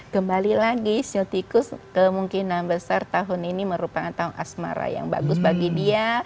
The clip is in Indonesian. kembali lagi sil tikus kemungkinan besar tahun ini merupakan tahun asmara yang bagus bagi dia